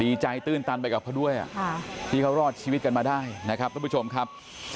ดีใจตื้นตันไปกับเขาด้วยที่เขารอดชีวิตกันมาได้นะครับทุกผู้ชมครับ